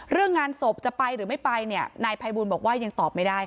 เรื่องงานศพจะไปหรือไม่ไปเนี่ยนายภัยบูลบอกว่ายังตอบไม่ได้ค่ะ